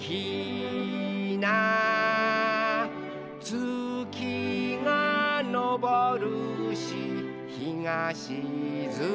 「つきがのぼるしひがしずむ」